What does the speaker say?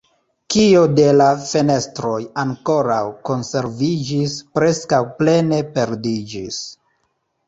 Kio de la fenestroj ankoraŭ konserviĝis, preskaŭ plene perdiĝis.